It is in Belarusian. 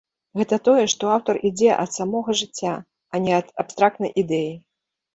Гэта тое, што аўтар ідзе ад самога жыцця, а не ад абстрактнай ідэі.